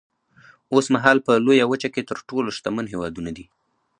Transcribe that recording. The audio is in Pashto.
اوسمهال په لویه وچه کې تر ټولو شتمن هېوادونه دي.